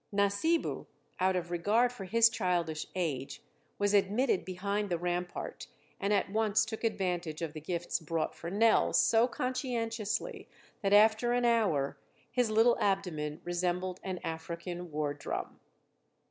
Nasibu, out of regard for his childish age, was admitted behind the rampart and at once took advantage of the gifts brought for Nell so conscientiously that after an hour his little abdomen resembled an African war drum.